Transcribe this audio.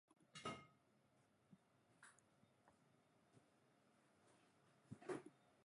かわいい子には旅をさせよ